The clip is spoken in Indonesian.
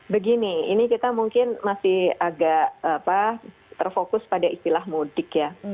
begini ini kita mungkin masih agak terfokus pada istilah mudik ya